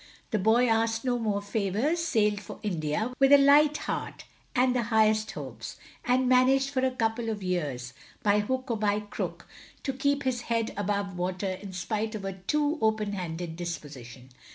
The boy asked no more favours; sailed for India, with a light heart and the highest hopes, and managed for a couple of years, by hook or by crook, to keep his head above water in spite of a too open handed disposition.